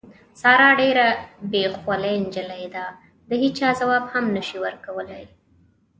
ساره ډېره بې خولې نجیلۍ ده، د هېچا ځواب هم نشي کولی.